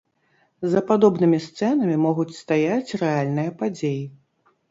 За падобнымі сцэнамі могуць стаяць рэальныя падзеі.